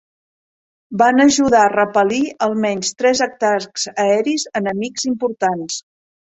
Van ajudar a repel·lir almenys tres atacs aeris enemics importants.